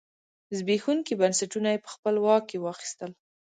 زبېښونکي بنسټونه یې په خپل واک کې واخیستل.